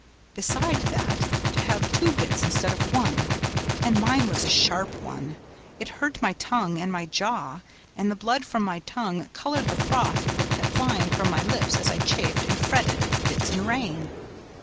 Besides that, to have two bits instead of one and mine was a sharp one, it hurt my tongue and my jaw, and the blood from my tongue colored the froth that kept flying from my lips as I chafed and fretted at the bits and rein.